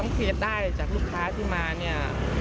เคลียร์ได้จากลูกค้าที่มาเนี่ย